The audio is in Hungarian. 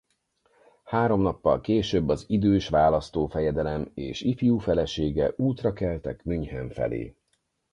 Három nappal később az idős választófejedelem és ifjú felesége útra keltek München felé.